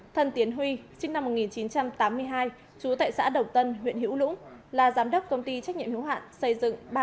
thân tiến huy sinh năm một nghìn chín trăm tám mươi hai trú tại xã đồng tân huyện hữu lũng là giám đốc công ty trách nhiệm hữu hạn xây dựng ba trăm tám mươi chín